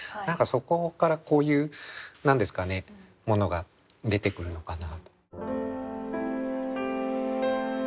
何かそこからこういう何ですかねものが出てくるのかなと。